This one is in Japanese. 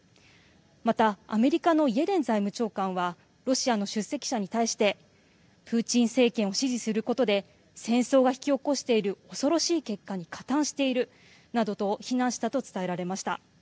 また、アメリカのイエレン財務長官はロシアの出席者に対してプーチン政権を支持することで戦争が引き起こしている恐ろしい結果に加担しているなどと非難したと伝えられました。